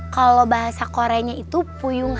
kalau bahasa koreanya itu puyung